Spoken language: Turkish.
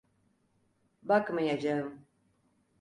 Bakmayacağım.